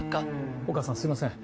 お義母さんすいません。